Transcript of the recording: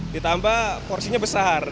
ditambah porsinya besar